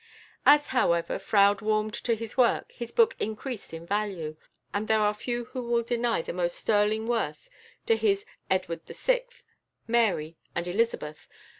As, however, Froude warmed to his work his book increased in value, and there are few who will deny the most sterling worth to his "Edward VI.," "Mary," and "Elizabeth."